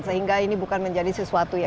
sehingga ini bukan menjadi sesuatu ya